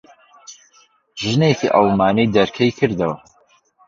ژنێکی ئەڵمانی دەرکەی کردەوە.